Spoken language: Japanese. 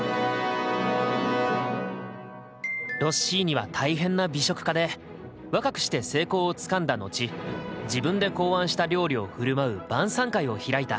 ロッシーニは大変な美食家で若くして成功をつかんだ後自分で考案した料理を振る舞う晩さん会を開いた。